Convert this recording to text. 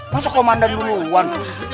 masuk komandan duluan